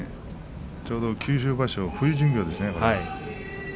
ちょうど九州場所冬巡業ですね。